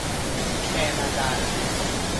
แคนาดา